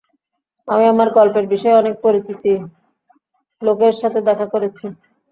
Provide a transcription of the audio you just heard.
আমি আমার গল্পের বিষয়ে অনেক অপরিচিত লোকের সাথে দেখা করেছি।